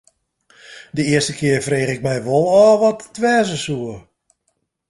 De earste kear frege ik my wol ôf wat it wêze soe.